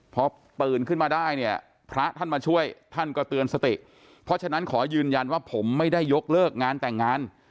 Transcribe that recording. พอตื่นขึ้นมาได้เนี่ยพระท่านมาช่วยท่านก็เตือนสติเพราะฉะนั้นขอยืนยันว่าผมไม่ได้ยกเลิกงานแต่งงาน